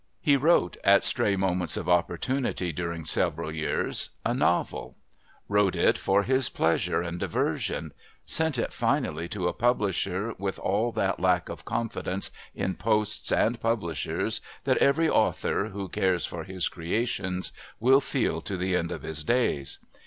He wrote, at stray moments of opportunity during several years, a novel, wrote it for his pleasure and diversion, sent it finally to a publisher with all that lack of confidence in posts and publishers that every author, who cares for his creations, will feel to the end of his days.